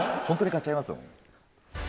本当に買っちゃいますよ。